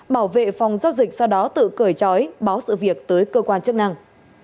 bảo vệ phòng giao dịch sau đó tự cởi trói báo sự việc tới cơ quan chức năng